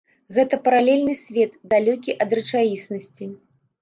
Гэта паралельны свет, далёкі ад рэчаіснасці.